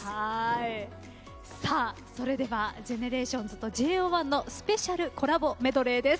それではＧＥＮＥＲＡＴＩＯＮＳとＪＯ１のスペシャルコラボメドレーです。